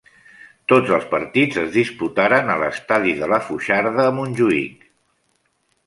Tots els partits es disputaren a l'estadi de La Foixarda, a Montjuïc.